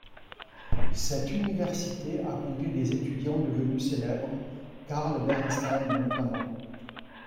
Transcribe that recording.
Cette Université a compté des étudiants devenus célèbres, Carl Bernstein notamment.